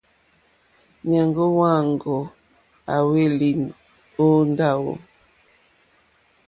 Nyàŋgo wàŋgo à hwelì o ndawò?